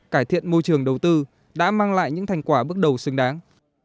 cải thiện môi trường đầu tư đã mang lại những thành quả bước đầu xứng đáng